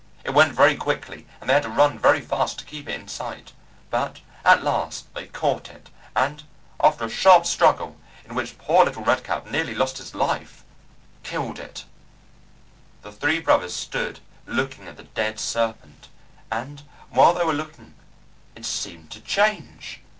It went very quickly, and they had to run very fast to keep it in sight; but at last they caught it, and after a sharp struggle in which poor little Red Cap nearly lost his life killed it. The three little brothers stood looking at the dead serpent, and while they were looking it seemed to change!